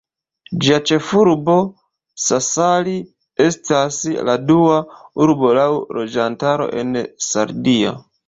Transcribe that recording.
Ĝia ĉefurbo, Sassari, estas la dua urbo laŭ loĝantaro en Sardio.